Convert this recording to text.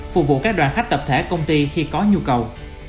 phục vụ các đoàn khách tập thể công ty khi có nhu cầu